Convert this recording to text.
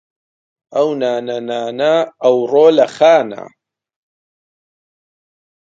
ئەو نانە نانە ، ئەوڕۆ لە خوانە